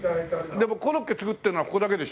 でもコロッケ作ってるのはここだけでしょ？